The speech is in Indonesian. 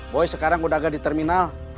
boy sekarang udah ada di terminal